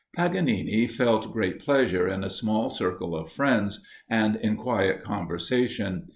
Paganini felt great pleasure in a small circle of friends, and in quiet conversation.